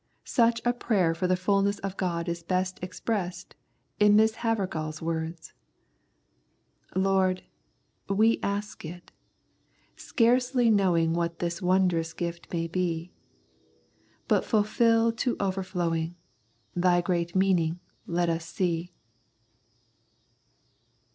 Such a prayer for the fulness of God is best expressed in Miss HavergaPs words — Lord, we ask it, scarcely knowing What this wondrous gift may be ; But fulfil to overflowing, Tby great meaning let us see.'